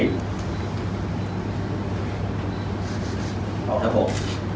ต่อทะบก